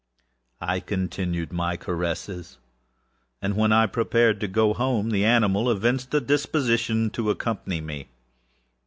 I continued my caresses, and, when I prepared to go home, the animal evinced a disposition to accompany me.